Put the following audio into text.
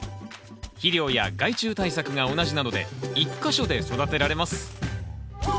肥料や害虫対策が同じなので１か所で育てられます。